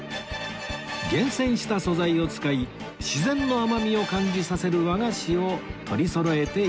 厳選した素材を使い自然の甘みを感じさせる和菓子を取りそろえています